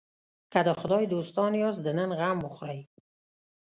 که د خدای دوستان یاست د نن غم وخورئ.